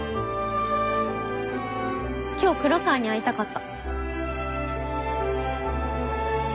今日黒川に会いたかった。